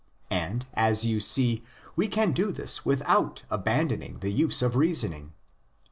And, as you see, we can do this without abandoning the use of reasoning.